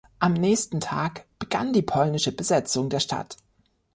Am nächsten Tag begann die polnische Besetzung der Stadt.